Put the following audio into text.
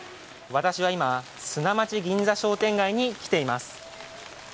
私は今、砂町銀座商店街に来ています。